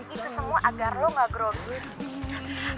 itu semua agar lo gak growth